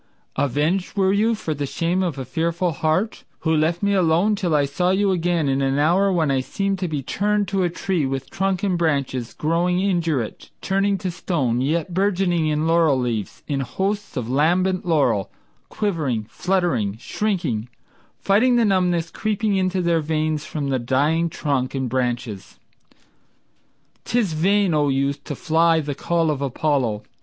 Avenged were you for the shame of a fearful heart Who left me alone till I saw you again in an hour When I seemed to be turned to a tree with trunk and branches Growing indurate, turning to stone, yet burgeoning In laurel leaves, in hosts of lambent laurel, Quivering, fluttering, shrinking, fighting the numbness Creeping into their veins from the dying trunk and branches! 'Tis vain, O youth, to fly the call of Apollo.